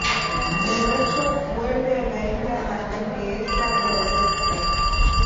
El macho muerde a la hembra hasta que esta lo acepta.